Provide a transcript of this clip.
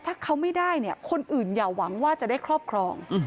ถ้าเขาไม่ได้เนี่ยคนอื่นอย่าหวังว่าจะได้ครอบครอง